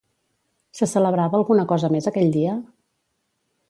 Se celebrava alguna cosa més aquell dia?